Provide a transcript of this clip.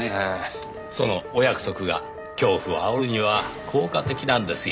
そのお約束が恐怖を煽るには効果的なんですよ。